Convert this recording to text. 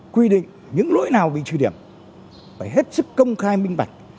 quy định những lỗi nào bị truy điểm phải hết sức công khai minh bạch